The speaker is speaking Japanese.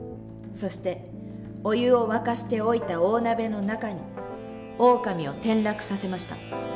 そしてお湯を沸かしておいた大鍋の中にオオカミを転落させました。